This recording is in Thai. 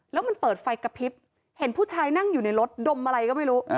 แล้วมันเปิดไฟกระพริบเห็นผู้ชายนั่งอยู่ในรถดมอะไรก็ไม่รู้